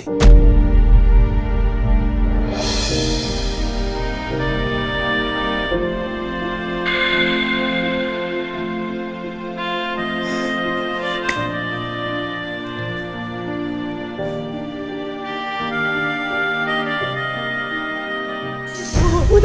udah udah udah